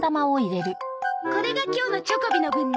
これが今日のチョコビの分ね。